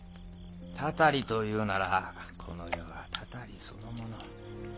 タタリというならこの世はタタリそのもの。